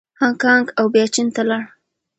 هانګکانګ او بیا چین ته لاړ.